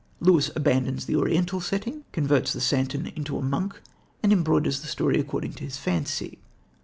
Lewis abandons the Oriental setting, converts the santon into a monk and embroiders the story according to his fancy.